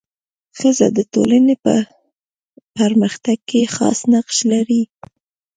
ښځه د ټولني په پرمختګ کي خاص نقش لري.